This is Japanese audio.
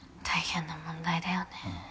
大変な問題だよね。